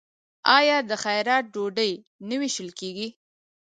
آیا د خیرات ډوډۍ نه ویشل کیږي؟